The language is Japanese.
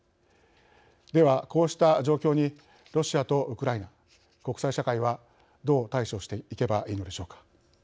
では、こうした状況にロシアとウクライナ、国際社会はどう対処していけばいいのでしょうか。